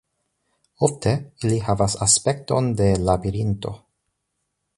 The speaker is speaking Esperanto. Ofte ili havas aspekton de labirinto.